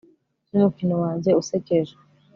numukino wanjye usekeje